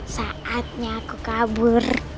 saatnya aku kabur